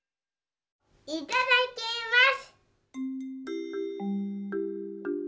いただきます。